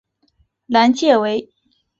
南界为。